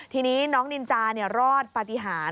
ทีนี้น้องนินจารอดปฏิหาร